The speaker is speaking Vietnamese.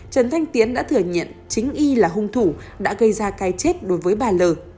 trần thanh tiến đã thử nhận chính y là hung thủ đã gây ra cái chết đối với bà l